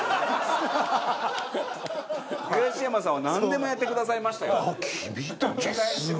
東山さんはなんでもやってくださいましたよ。